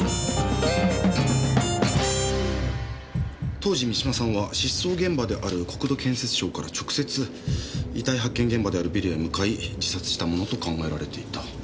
当時三島さんは失踪現場である国土建設省から直接遺体発見現場であるビルへ向かい自殺したものと考えられていた。